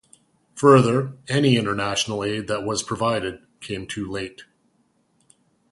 Further, any international aid that was provided came too late.